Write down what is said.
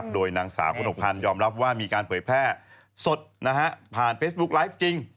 โดยนางสาวกระหนกพันธ์ยอมรับว่ามีการเผยแพร่สดผ่านเฟซบุ๊กไลฟ์จริง